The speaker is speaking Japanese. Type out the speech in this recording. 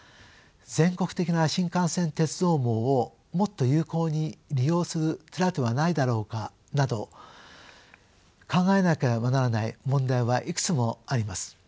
全国的な新幹線鉄道網をもっと有効に利用する手だてはないだろうかなど考えなければならない問題はいくつもあります。